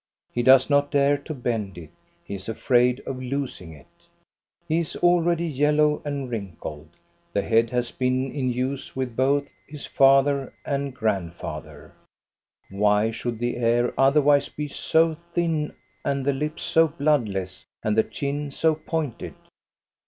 He does not dare to bend it ; he is afraid of losing it, — he is already yellow and wrinkled. The head has 1 Terms used in weaving. THE YOUNG COUNTESS 173 been in use with both his father and grandfather. Why should the hair otherwise be so thin and the lips so bloodless and the chin so pointed